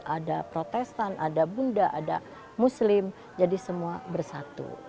ada protestan ada bunda ada muslim jadi semua bersatu